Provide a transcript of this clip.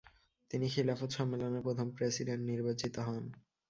তিনি খিলাফত সম্মেলনের প্রথম প্রেসিডেন্ট নির্বাচিত হন।